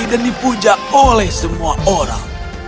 dan dipuja oleh semua orang